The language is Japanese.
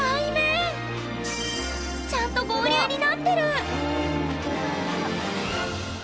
ちゃんと合流になってる！